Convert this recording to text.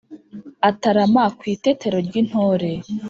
Atarama ku Itetero ry'intore